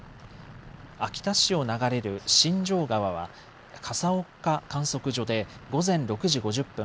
秋田市を流れる新城川は笠岡観測所で午前６時５０分